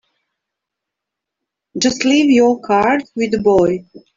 Just leave your card with the boy.